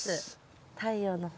太陽の方。